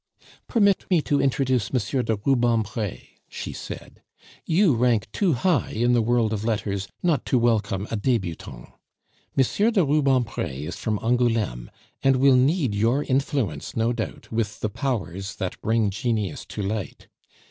"Permit me to introduce M. de Rubempre," she said. "You rank too high in the world of letters not to welcome a debutant. M. de Rubempre is from Angouleme, and will need your influence, no doubt, with the powers that bring genius to light.